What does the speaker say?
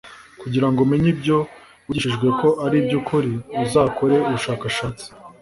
kugira ngo umenye ibyo wigishijwe ko ari iby ukuri uzakore ubushakashatsi